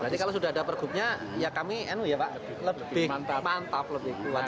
berarti kalau sudah ada pergubnya ya kami lebih mantap lebih kuat